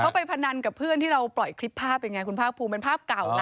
เขาไปพนันกับเพื่อนที่เราปล่อยคลิปภาพเป็นไงคุณภาคภูมิเป็นภาพเก่านะ